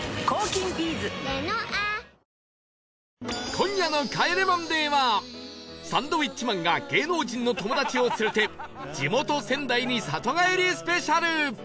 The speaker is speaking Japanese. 今夜の『帰れマンデー』はサンドウィッチマンが芸能人の友達を連れて地元仙台に里帰りスペシャル